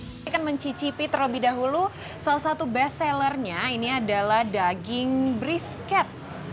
saya akan mencicipi terlebih dahulu salah satu best sellernya ini adalah daging brisket